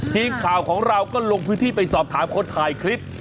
ทีมข่าวของเราก็ลงพื้นที่ไปสอบถามคนถ่ายคลิป